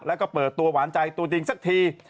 แล้วก็เปิดตัวหวานใจตัวจริงสักที